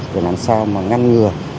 để làm sao mà ngăn ngừa